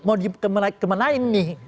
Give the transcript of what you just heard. mau di kemenain nih